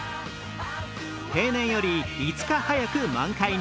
平年より５日早く満開に。